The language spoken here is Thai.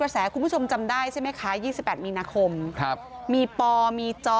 ว่าจะซงได้ใช่ไหมคะ๒๘มีนาคมครับมี